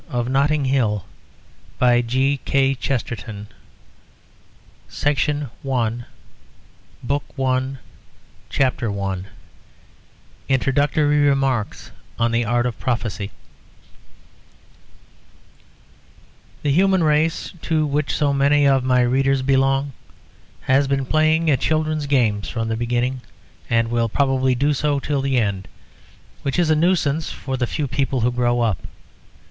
296 BOOK I THE NAPOLEON OF NOTTING HILL CHAPTER I Introductory Remarks on the Art of Prophecy The human race, to which so many of my readers belong, has been playing at children's games from the beginning, and will probably do it till the end, which is a nuisance for the few people who grow up.